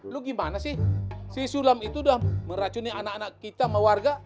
lu gimana sih si sulam itu udah meracuni anak anak kita sama warga